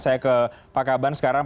saya ke pak kaban sekarang